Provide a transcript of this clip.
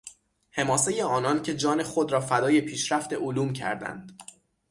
حماسهی آنانکه جان خود را فدای پیشرفت علوم کردند